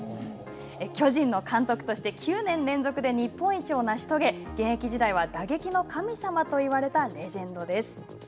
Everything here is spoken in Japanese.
巨人の監督として９年連続で日本一を成し遂げ、現役時代は打撃の神様と言われたレジェンドです。